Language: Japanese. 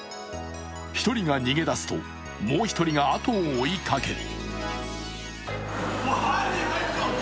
１人が逃げ出すともう１人が後を追いかける。